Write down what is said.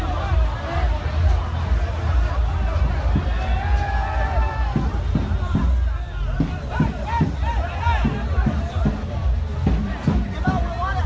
มันอาจจะไม่เอาเห็น